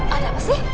ada apa sih